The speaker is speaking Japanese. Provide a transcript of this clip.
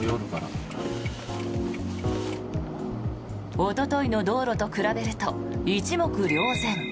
おとといの道路と比べると一目瞭然。